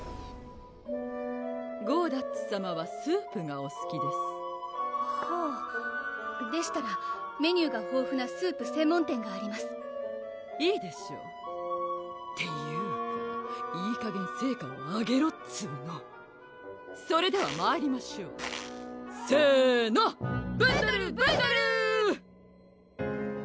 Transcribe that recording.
ゴーダッツさまはスープがおすきですはぁでしたらメニューが豊富なスープ専門店がありますいいでしょうっていうかいいかげん成果をあげろっつうのそれではまいりましょうせのブンドルブンドルー！